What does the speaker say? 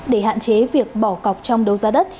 để hạn chế việc bỏ cọc trong đấu giá đất